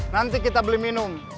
nanti kita beli minum